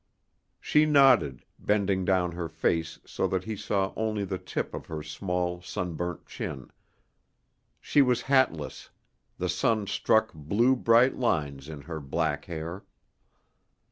She nodded, bending down her face so that he saw only the tip of her small, sunburnt chin. She was hatless; the sun struck blue, bright lines in her black hair.